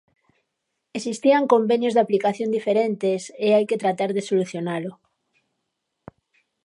Existían convenios de aplicación diferentes e hai que tratar de solucionalo.